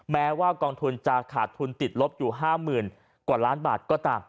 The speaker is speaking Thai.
แม้ว่ากองทุนจะขาดทุนติดลบอยู่๕๐๐๐กว่าล้านบาทก็ตาม